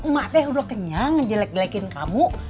mak teh udah kenyang jelek jelekin kamu